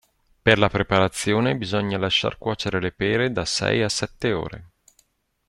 Per la preparazione bisogna lasciar cuocere le pere da sei a sette ore.